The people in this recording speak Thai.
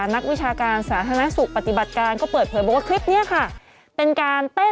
นักวิชาการสาธารณสุขปฏิบัติการก็เปิดเผยบอกว่าคลิปนี้ค่ะเป็นการเต้น